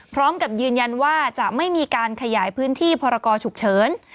พร้อมกับยืนยันว่าจะไม่มีการขยายพื้นที่พรกรฉุกเฉิน